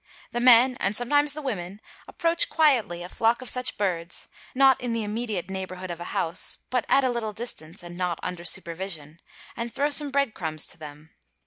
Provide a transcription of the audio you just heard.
The men, and sometimes the women, approach quietly a flock — of such birds, not in the immediate neighbourhood of a house, but at a — little distance and not under supervision, and throw some bread crumbs — to them.